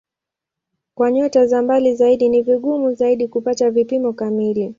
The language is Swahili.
Kwa nyota za mbali zaidi ni vigumu zaidi kupata vipimo kamili.